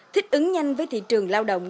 thích ứng nhanh với thị trường lao động